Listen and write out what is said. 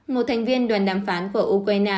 một thành viên đoàn đàm phán của ukraine